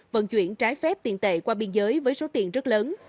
vận chuyển trái phép tiền tệ qua biên giới với số tiền rất lớn